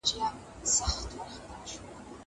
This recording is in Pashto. هغه څوک چي ځواب ليکي تمرين کوي!